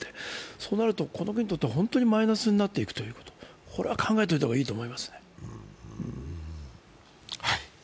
そうなるとこの国にとって本当にマイナスになっていく、これは考えておいた方がいいと思いますね。